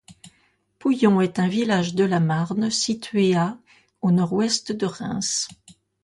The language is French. Pouillon est un village de la Marne, situé à au nord-ouest de Reims.